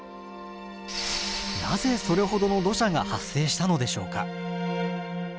なぜそれほどの土砂が発生したのでしょうか？